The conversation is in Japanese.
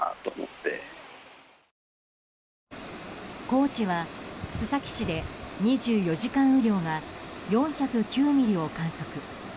高知は須崎市で２４時間雨量が４０９ミリを観測。